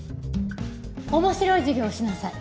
面白い授業をしなさい。